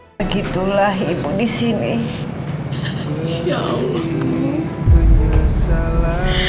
begitulah ibu disini ya allah